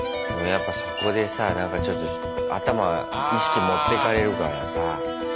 やっぱそこでさなんかちょっと頭意識持ってかれるからさ。